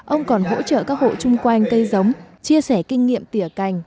ông còn hỗ trợ các hộ chung quanh cây giống chia sẻ kinh nghiệm tỉa cành